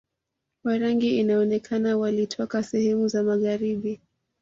Warangi inaonekana walitoka sehemu za magharibi